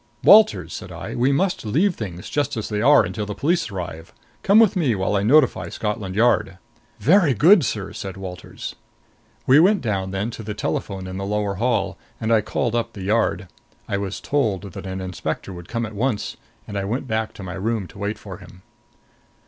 "Walters," said I, "we must leave things just as they are until the police arrive. Come with me while I notify Scotland Yard." "Very good, sir," said Walters. We went down then to the telephone in the lower hall, and I called up the Yard. I was told that an inspector would come at once and I went back to my room to wait for him.